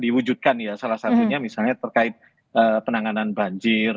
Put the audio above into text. diwujudkan ya salah satunya misalnya terkait penanganan banjir